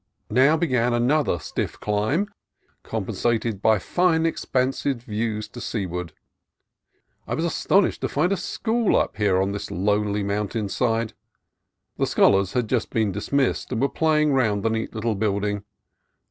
Now began another stiff climb, compensated by fine expansive views to seaward. I was astonished to find a school up here on this lonely mountain side. The scholars had just been dismissed and were play ing round the neat little building.